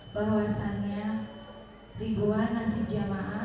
bahwasannya ribuan nasib jamaah